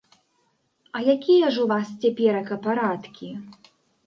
А якія ж у вас цяперака парадкі?